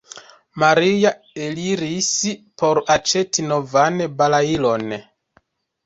Maria eliris por aĉeti novan balailon.